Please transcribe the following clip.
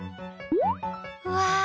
うわ！